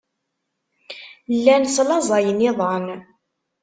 Llan slaẓayen iḍan.